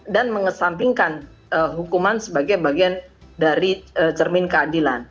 dan mengesampingkan hukuman sebagai bagian dari cermin keadilan